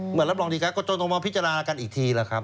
เมื่อรับรองดีการ์ก็ต้องมาพิจารณากันอีกที